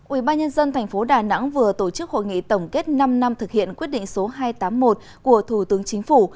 ubnd tp đà nẵng vừa tổ chức hội nghị tổng kết năm năm thực hiện quyết định số hai trăm tám mươi một của thủ tướng chính phủ